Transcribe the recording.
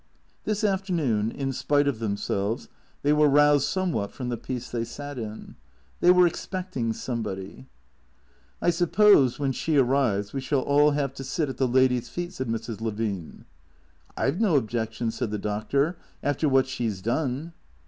This afternoon, in spite of themselves, they were roused some what from the peace they sat in. They were expecting some body. " I suppose, when she arrives, we shall all have to sit at the lady's feet," said Mrs. Levine. "7've no objection," said the Doctor; "after what she's done."